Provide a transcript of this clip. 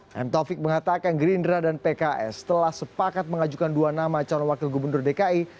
dan taufik mengatakan gerindra dan pks telah sepakat mengajukan dua nama calon wakil gubernur dki